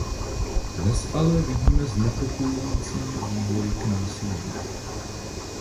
Dnes ale vidíme znepokojující vývoj k násilí.